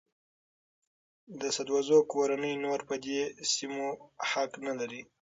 د سدوزو کورنۍ نور په دې سیمو حق نه لري.